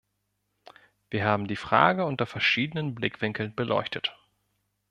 Wir haben die Frage unter verschiedenen Blickwinkeln beleuchtet.